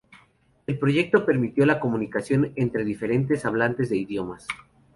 El proyecto permitió la comunicación entre diferentes hablantes de idiomas.